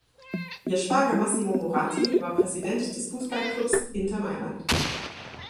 Ihr Schwager Massimo Moratti war Präsident des Fußballklubs Inter Mailand.